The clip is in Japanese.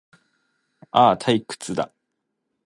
ああ、退屈だ